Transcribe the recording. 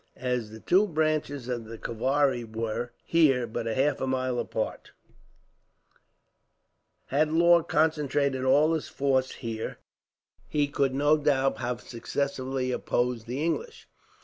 As the two branches of the Kavari were, here, but half a mile apart, had Law concentrated all his force here he could, no doubt, have successfully opposed the English.